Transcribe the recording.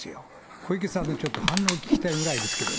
小池さんのちょっと反応聞きたいぐらいですけどね。